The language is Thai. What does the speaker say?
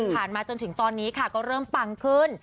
มาจนถึงตอนนี้ค่ะก็เริ่มปังขึ้น